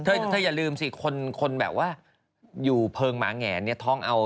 เธออย่าลืมสิคนแบบว่าอยู่เพลิงหมาแงนเนี่ยท้องเอา